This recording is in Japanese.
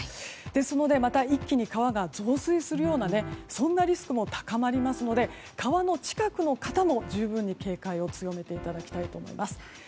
ですので、また一気に川が増水するようなリスクも高まりますので川の近くの方も十分に警戒を強めていただきたいと思います。